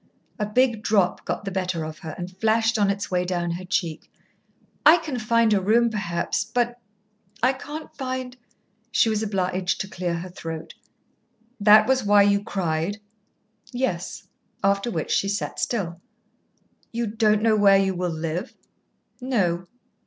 A big drop got the better of her, and flashed on its way down her cheek. "I can find a room, perhaps, but I can't find " She was obliged to clear her throat. "That was why you cried?" "Yes." After which she sat still. "You don't know where you will live?" "No."